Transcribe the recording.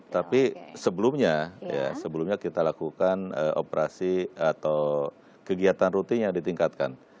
tapi sebelumnya ya sebelumnya kita lakukan operasi atau kegiatan rutin yang ditingkatkan